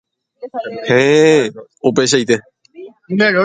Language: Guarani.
Héẽ, upeichaite.